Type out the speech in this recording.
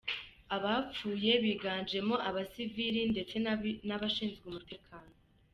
Abapfuye biganjemo abasivili ndetse n’abashinzwe umutekano.